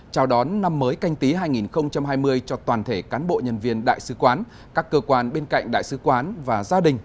chào đón năm mới canh tí hai nghìn hai mươi cho toàn thể cán bộ nhân viên đại sứ quán các cơ quan bên cạnh đại sứ quán và gia đình